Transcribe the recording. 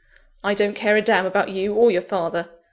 I don't care a damn about you or your father!